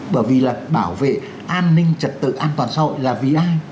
bởi vì là bảo vệ an ninh trật tự an toàn xã hội là vì ai